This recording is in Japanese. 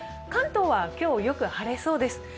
関東は今日、よく晴れそうです。